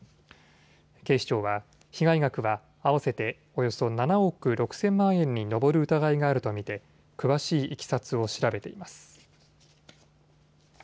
警視庁は被害額は合わせておよそ７億６０００万円に上る疑いがあると見て詳しいいきさつを調べています。